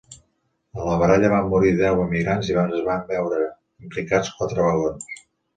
En la baralla van morir deu emigrants i es van veure implicats quatre vagons.